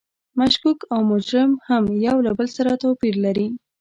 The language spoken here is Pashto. مشکوک او مجرم هم یو له بل سره توپیر لري.